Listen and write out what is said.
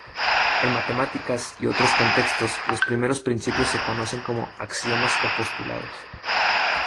En matemáticas y otros contextos, los primeros principios se conocen como axiomas o postulados.